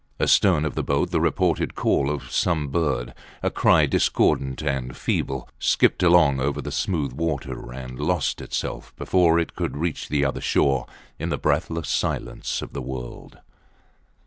Astern of the boat the repeated call of some bird, a cry discordant and feeble, skipped along over the smooth water and lost itself, before it could reach the other shore, in the breathless silence of the world.